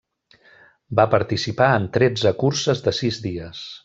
Va participar en tretze curses de sis dies.